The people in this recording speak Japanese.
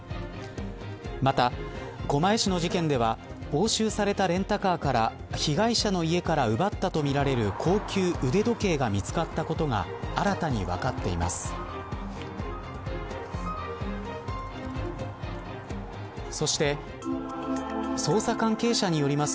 また、狛江市の事件では押収されたレンタカーから被害者の家から奪ったとみられる高級腕時計が見つかったことが新たに分かっています。